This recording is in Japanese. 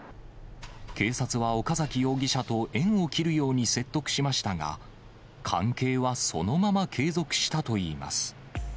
警察は岡崎容疑者と縁を切るように説得しましたが、関係はそのまま継続したといいます。